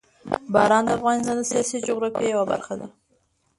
باران د افغانستان د سیاسي جغرافیه یوه برخه ده.